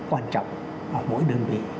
quan trọng ở mỗi đơn vị